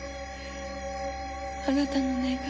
あなたの願い。